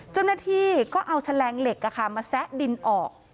เจ้าหน้าที่ก็เอาแฉลงเหล็กมาแซะดินออก